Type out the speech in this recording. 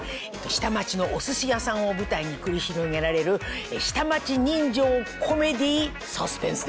下町のお寿司屋さんを舞台に繰り広げられる下町人情コメディーサスペンスでございます。